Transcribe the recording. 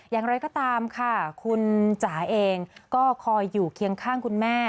อย่างไรก็ตามค่ะคุณจ๋าเองก็คอยอยู่เคียงข้างคุณแม่